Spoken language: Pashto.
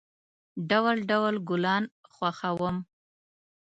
ډول، ډول گلان خوښوم.